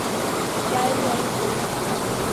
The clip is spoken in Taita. Chai ya ibuku